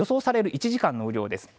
１時間の雨量です。